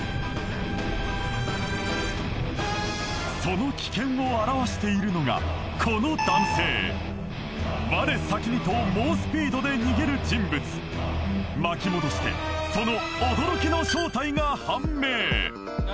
その危険を表しているのがこの男性我先にと猛スピードで逃げる人物巻き戻してその驚きの正体が判明